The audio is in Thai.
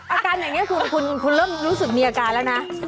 อาการแบบนี้คุณรู้สึกมีอาการแล้วนะ